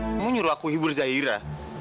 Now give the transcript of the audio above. kamu nyuruh aku hibur zaira